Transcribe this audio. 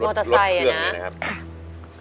รถเครื่องเลยนะครับ